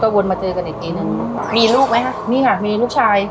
ค่ะแล้วก็วนมาเจอกันอีกกี่นึงมีลูกไหมฮะมีค่ะมีลูกชาย